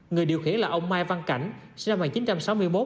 người điều khiển là ông mai văn cảnh sinh năm một nghìn chín trăm sáu mươi một